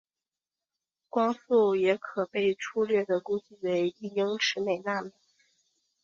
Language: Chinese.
光速也可以被初略地估计为一英尺每纳秒。